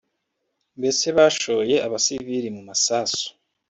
mbese bashoye abasivili mu masasu